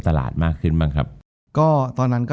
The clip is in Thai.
จบการโรงแรมจบการโรงแรม